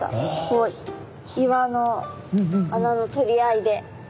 こう岩の穴の取り合いで。